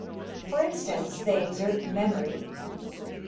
For instance, they exert memory.